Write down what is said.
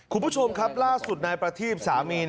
คุณผู้ชมครับล่าสุดนายประทีบสามี